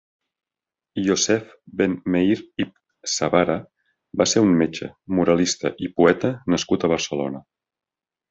Iossef ben Meïr ibn Zabara va ser un metge, moralista i poeta nascut a Barcelona.